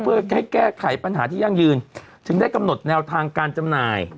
เพื่อให้แก้ไขปัญหาที่ยั่งยืนจึงได้กำหนดแนวทางการจำหน่าย